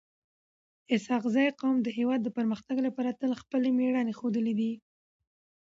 اسحق زي قوم د هیواد د پرمختګ لپاره تل خپل میړانه ښودلي ده.